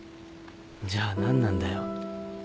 じゃあ何なんだよ。